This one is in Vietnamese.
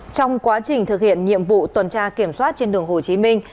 trong quá trình thực hiện nhiệm vụ tuần tra kiểm soát trên đường hồ chí minh